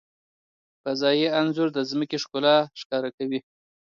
فضايي انځور د ځمکې ښکلا ښکاره کوي.